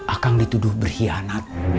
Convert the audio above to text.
akang dituduh berhianat